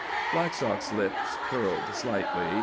Blackstock's lips curled slightly.